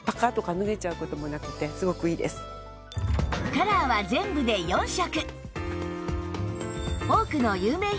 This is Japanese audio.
カラーは全部で４色